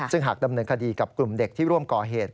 ซึ่งหากดำเนินคดีกับกลุ่มเด็กที่ร่วมก่อเหตุ